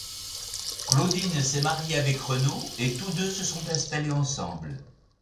Claudine s'est mariée avec Renaud et tous deux se sont installés ensemble.